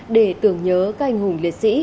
để tưởng nhớ các anh hùng liệt sĩ